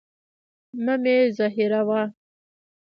مه مي زهيروه.